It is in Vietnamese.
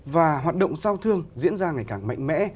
và hoạt động giao thương diễn ra ngày càng mạnh mẽ